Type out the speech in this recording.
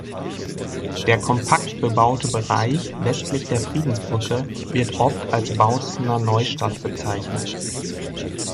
Der kompakt bebaute Bereich westlich der Friedensbrücke wird oft als Bautzener Neustadt bezeichnet.